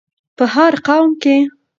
په هر قوم کې